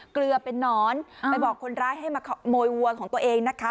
เกลือเป็นนอนไปบอกคนร้ายให้มาขโมยวัวของตัวเองนะคะ